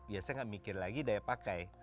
ya saya nggak mikir lagi daya pakai